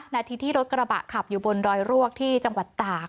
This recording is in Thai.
นาทีที่รถกระบะขับอยู่บนดอยรวกที่จังหวัดตาก